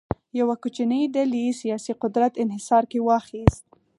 یوه کوچنۍ ډلې سیاسي قدرت انحصار کې واخیست.